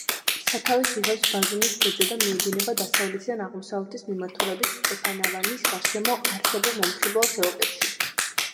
სათავეს იღებს ბაზუმის ქედზე და მიედინება დასავლეთიდან აღმოსავლეთის მიმართულებით, სტეფანავანის გარშემო არსებულ მომხიბლავ ხეობებში.